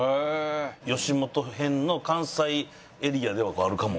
吉本辺の関西エリアではあるかもこれ。